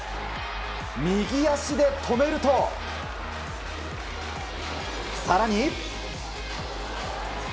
右足で止めると、更に。